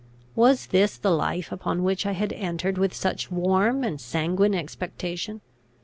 Was this the life upon which I had entered with such warm and sanguine expectation?